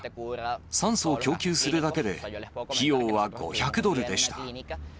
酸素を供給するだけで、費用は５００ドルでした。